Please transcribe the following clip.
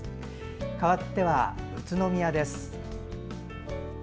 かわっては宇都宮です。